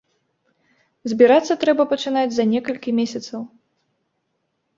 Збірацца трэба пачынаць за некалькі месяцаў.